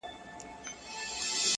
مــروره در څه نـه يمـه ه؛